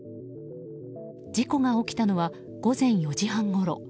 事故が起きたのは午前４時半ごろ。